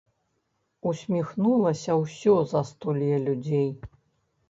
Усміхнулася ўсё застолле людзей.